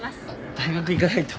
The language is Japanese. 大学行かないと。